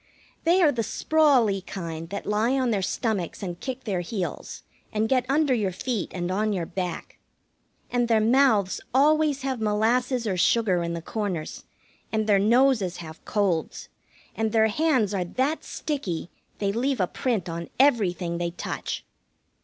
They are the sprawly kind that lie on their stomachs and kick their heels, and get under your feet and on your back. And their mouths always have molasses or sugar in the corners, and their noses have colds, and their hands are that sticky they leave a print on everything they touch.